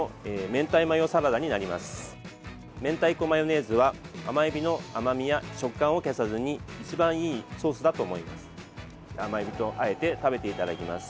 明太子マヨネーズは甘えびの甘みや食感を消さずに一番いいソースだと思います。